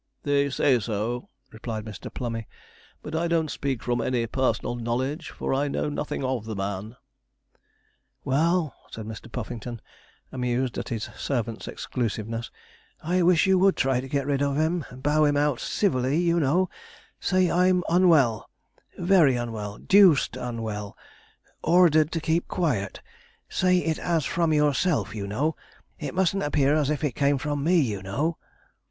'They say so,' replied Mr. Plummey, 'but I don't speak from any personal knowledge, for I know nothing of the man.' 'Well,' said Mr. Puffington, amused at his servant's exclusiveness, 'I wish you would try to get rid of him, bow him out civilly, you know say I'm unwell very unwell deuced unwell ordered to keep quiet say it as if from yourself, you know it mustn't appear as if it came from me, you know.'